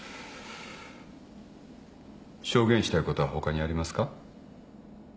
証言したいことは他にありますか。